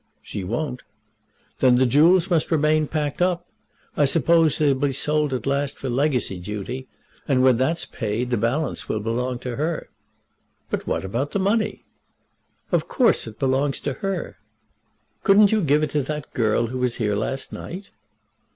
"She won't." "Then the jewels must remain packed up. I suppose they'll be sold at last for the legacy duty, and, when that's paid, the balance will belong to her." "But what about the money?" "Of course it belongs to her." "Couldn't you give it to that girl who was here last night?"